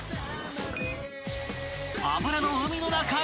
［油の海の中へ］